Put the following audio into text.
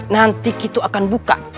nanti kita akan buka